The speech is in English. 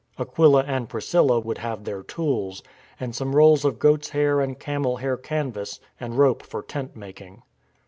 Aquila and Priscilla would have their tools, and some rolls of goat's hair and camel hair canvas and rope for tent making.